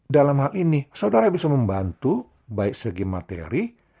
dalam hal ini saudara bisa membantu baik segi materi